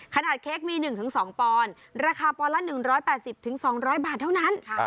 เค้กมี๑๒ปอนด์ราคาปอนละ๑๘๐๒๐๐บาทเท่านั้น